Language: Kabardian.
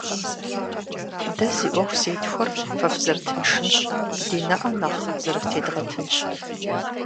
Дэ зи Ӏуэху зетхуэр фэ фызэрытыншынщ, ди нэӀэ нэхъ зэрыфтедгъэтынщ.